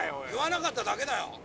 言わなかっただけだよ。